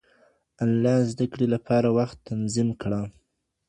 انلاين زده کړې لپاره وخت تنظيم کړه.